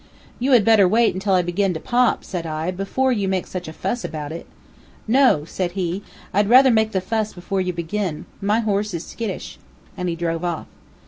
"You had better wait until I begin to pop," said I, "before you make such a fuss about it." "No," said he, "I'd rather make the fuss before you begin. My horse is skittish," and he drove off.